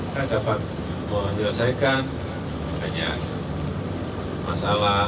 saya dapat menyelesaikan banyak masalah